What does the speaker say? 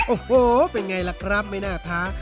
โอ้โหเป็นไงล่ะครับไม่น่าท้า